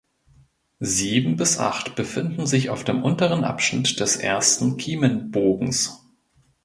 Sieben bis acht befinden sich auf dem unteren Abschnitt des ersten Kiemenbogens.